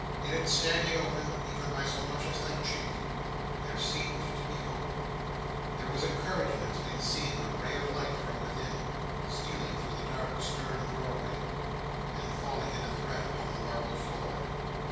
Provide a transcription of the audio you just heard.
In its standing open, even by so much as that chink, there seemed to be hope. There was encouragement in seeing a ray of light from within, stealing through the dark stern doorway, and falling in a thread upon the marble floor.